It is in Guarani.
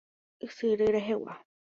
Ysyry rehegua.